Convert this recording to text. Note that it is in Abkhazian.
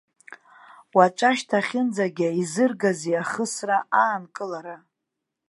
Уаҵәашьҭахьынӡагьы изыргазеи ахысра аанкылара?